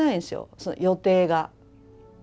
その予定が。